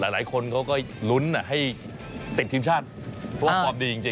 หลายคนเขาก็ลุ้นให้ติดทีมชาติเพราะว่าฟอร์มดีจริง